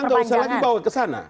enggak enggak usah lagi bawa ke sana